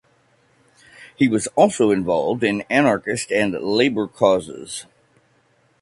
He was also involved in anarchist and labor causes.